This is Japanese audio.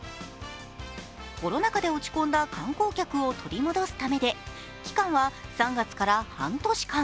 コロナ禍で落ち込んだ観光客を取り戻すためで期間は３月から半年間。